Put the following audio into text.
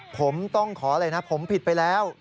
ผมต้องขออะไรนะผมผิดไปแล้ว